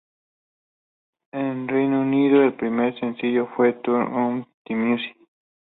En Reino Unido, el primer sencillo fue "Turn Up the Music".